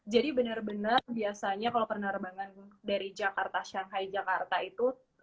jadi benar benar biasanya kalau penerbangan dari jakarta shanghai jakarta itu